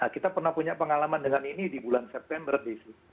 kita pernah punya pengalaman dengan ini di bulan september desi